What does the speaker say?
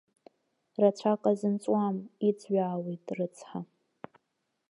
Рацәак азынҵуам, иҵҩаауеит, рыцҳа.